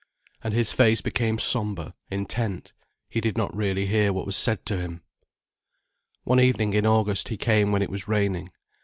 And his face became sombre, intent, he did not really hear what was said to him. One evening in August he came when it was raining.